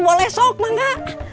boleh sok mau gak